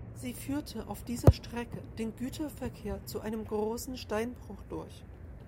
Sie führte auf dieser Strecke den Güterverkehr zu einem großen Steinbruch durch.